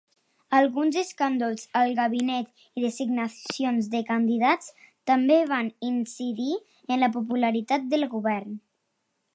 Alguns escàndols al gabinet i designacions de candidats també van incidir en la popularitat del govern.